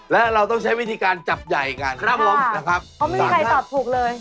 และเราต้องใช้วิธีการจับใหญ่กันครับผมนะครับเพราะไม่มีใครตอบถูกเลย